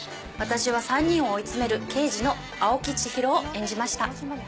私は３人を追い詰める刑事の青木千尋を演じました。